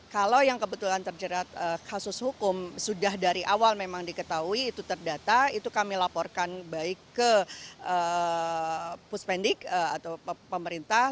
kalau yang kebetulan terjerat kasus hukum sudah dari awal memang diketahui itu terdata itu kami laporkan baik ke puspendik atau pemerintah